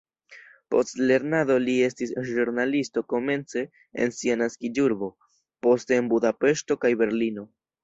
Post lernado li estis ĵurnalisto komence en sia naskiĝurbo, poste en Budapeŝto kaj Berlino.